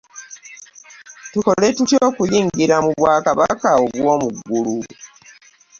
Tukole tutya okuyingira mu bwa kabaka obwomuggulu.